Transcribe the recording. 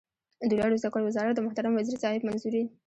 د لوړو زده کړو وزارت د محترم وزیر صاحب منظوري